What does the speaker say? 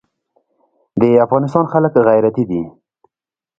د افغانستان خلک غیرتي دي